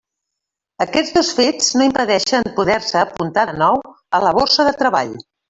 Aquests dos fets no impedeixen poder-se apuntar de nou a la borsa de treball.